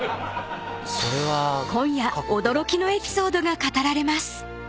［今夜驚きのエピソードが語られます］